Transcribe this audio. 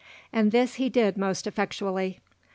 And this he did most effectually.